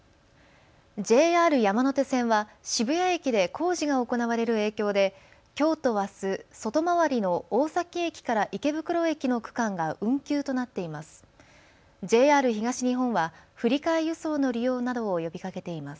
ＪＲ山手線は渋谷駅で工事が行われる影響できょうとあす外回りの大崎駅から池袋駅の区間が運休となっています。